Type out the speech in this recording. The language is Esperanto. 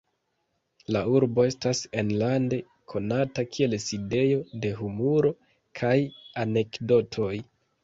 La urbo estas enlande konata kiel sidejo de humuro kaj anekdotoj.